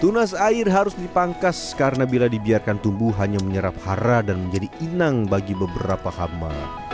tunas air harus dipangkas karena bila dibiarkan tumbuh hanya menyerap hara dan menjadi inang bagi beberapa hama